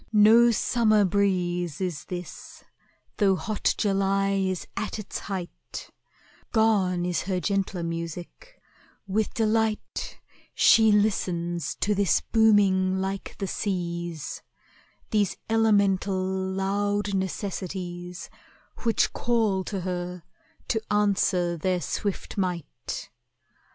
No summer breeze Is this, though hot July is at its height, Gone is her gentler music; with delight She listens to this booming like the seas, These elemental, loud necessities Which call to her to answer their swift might.